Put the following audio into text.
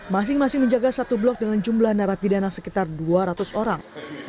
masing masing menjaga satu blok dengan jumlah narapidana sekitar dua ratus orang